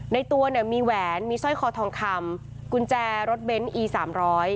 ตัวเนี่ยมีแหวนมีสร้อยคอทองคำกุญแจรถเบนท์อีสามร้อย